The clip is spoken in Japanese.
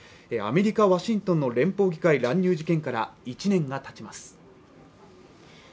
アメリカ・ワシントンの連邦議会乱入事件から１年が経ちます